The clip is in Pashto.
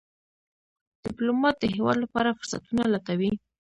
ډيپلومات د هېواد لپاره فرصتونه لټوي.